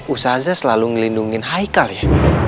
ustazah selalu ngelindungin haikal ya